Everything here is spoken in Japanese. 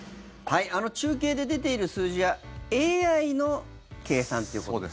中継で出ている数字はＡＩの計算ということですか。